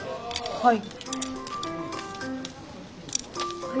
はい。